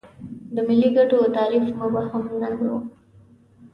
د ملي ګټو تعریف مبهم نه و.